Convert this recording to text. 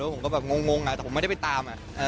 ผมก็แบบงงแต่ผมไม่ได้ไปตาม